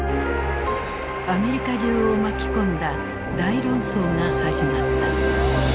アメリカ中を巻き込んだ大論争が始まった。